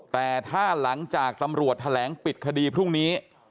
แต่ถ้าหลังจากตำรวจแถลงปิดคดีพรุ่งนี้